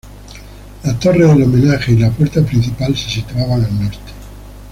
La torre del homenaje y la puerta principal se situaban al norte.